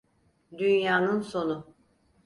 Dünyanın sonu.